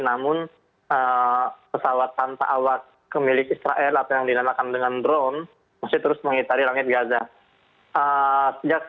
namun pesawat tanpa awak milik israel atau yang dinamakan dengan drone masih terus mengitari langit gaza